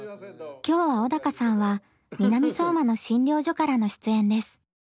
今日は小鷹さんは南相馬の診療所からの出演です。